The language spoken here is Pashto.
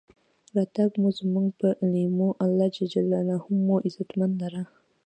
راتګ مو زمونږ پۀ لېمو، الله ج مو عزتمن لره.